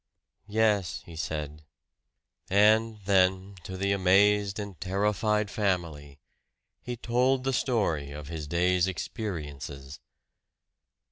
"Yes," he said. And then to the amazed and terrified family, he told the story of his day's experiences.